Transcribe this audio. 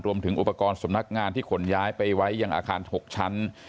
รวมถึงอุปกรณ์สำนักงานที่ขนย้ายไปไว้ยังอาคาร๖ชั้น